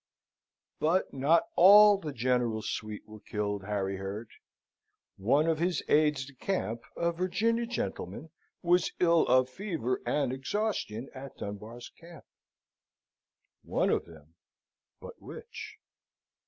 But not all the General's suite were killed, Harry heard. One of his aides de camp, a Virginian gentleman, was ill of fever and exhaustion at Dunbar's camp. One of them but which?